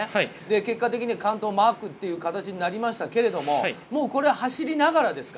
結果的に関東マークっていう形になりましたけど、走りながらですか？